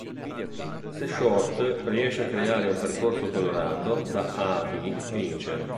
Se Short riesce a creare un percorso colorato da A a B, vince.